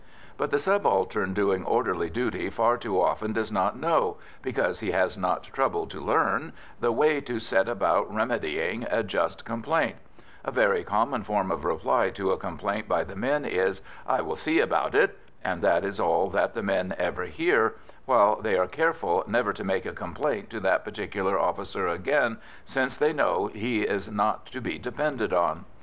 But the subaltern doing orderly duty far too often does not know because he has not troubled to learn the way to set about remedying a just complaint; a very common form of reply to a complaint by the men is, "I will see about it," and that is all that the men ever hear, while they are careful never to make a complaint to that particular officer again, since they know he is not to be depended on.